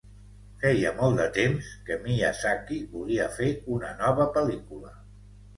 Feia molt de temps que Miyazaki volia fer una nova pel·lícula.